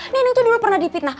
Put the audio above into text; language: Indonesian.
neno tuh dulu pernah dipitnah